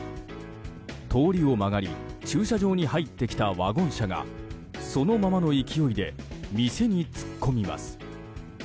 通りを曲がり、駐車場に入ってきたワゴン車がそのままの勢いで店に突っ込みます。